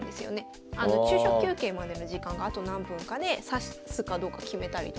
昼食休憩までの時間があと何分かで指すかどうか決めたりとか。